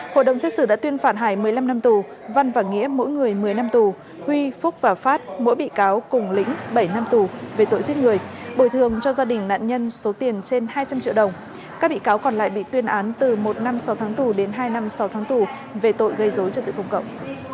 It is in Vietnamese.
hội đồng xét xử đã tuyên phạt hải một mươi năm năm tù văn và nghĩa mỗi người một mươi năm tù huy phúc và phát mỗi bị cáo cùng lĩnh bảy năm tù về tội giết người bồi thường cho gia đình nạn nhân số tiền trên hai trăm linh triệu đồng các bị cáo còn lại bị tuyên án từ một năm sáu tháng tù đến hai năm sáu tháng tù về tội gây dối trật tự công cộng